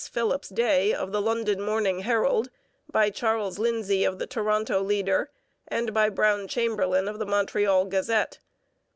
Phillips Day, of the London Morning Herald, by Charles Lindsey of the Toronto Leader, and by Brown Chamberlain of the Montreal Gazette.